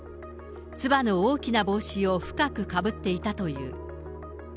つばの大きな帽子を深くかぶっていたという。